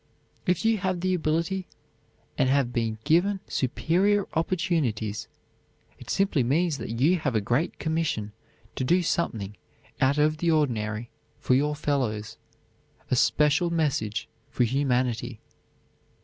If you have the ability and have been given superior opportunities, it simply means that you have a great commission to do something out of the ordinary for your fellows; a special message for humanity.